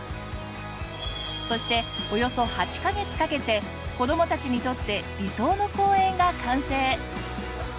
そしておよそ８カ月かけて子供たちにとって理想の公園が完成。